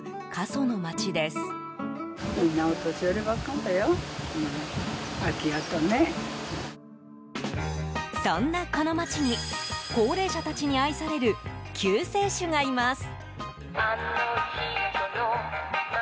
そんなこの町に高齢者たちに愛される救世主がいます。